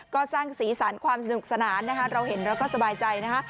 ก็สร้างสีสันความสนุกสนานนะคะเราเห็นเราก็สบายใจนะคะ